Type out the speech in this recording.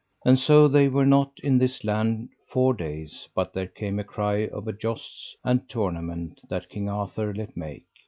And so they were not in this land four days but there came a cry of a jousts and tournament that King Arthur let make.